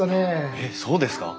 えっそうですか？